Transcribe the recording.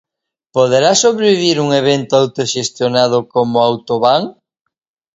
Poderá sobrevivir un evento autoxestionado como Autobán?